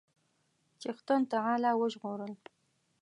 چښتن تعالی وژغورل.